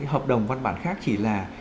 hợp đồng văn bản khác chỉ là